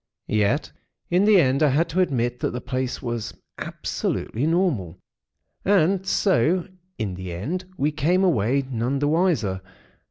Yet, in the end, I had to admit that the place itself was absolutely normal; and so in the end we came away none the wiser.